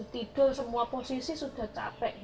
tidur semua posisi sudah capek